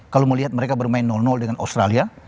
kalau melihat mereka bermain dengan australia